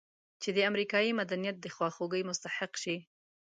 چې د امریکایي مدنیت د خواخوږۍ مستحق شي.